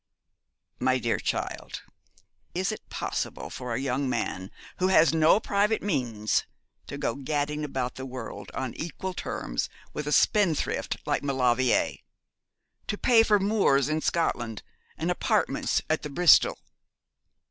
'My dear child, is it possible for a young man who has no private means to go gadding about the world on equal terms with a spendthrift like Maulevrier to pay for Moors in Scotland and apartments at the Bristol?'